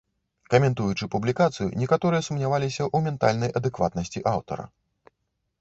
Каментуючы публікацыю, некаторыя сумняваліся ў ментальнай адэкватнасці аўтара.